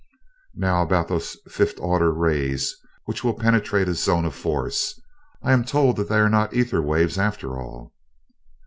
"Now about those fifth order rays, which will penetrate a zone of force. I am told that they are not ether waves at all?"